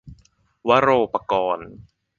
วโรปกรณ์